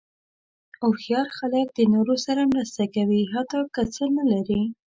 هوښیار خلک د نورو سره مرسته کوي، حتی که څه نه لري.